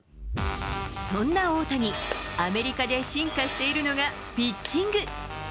そんな大谷、アメリカで進化しているのがピッチング。